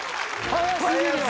早すぎる！